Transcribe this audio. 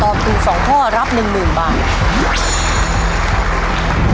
ตอบถูกสองข้อรับหนึ่งหมื่นบาท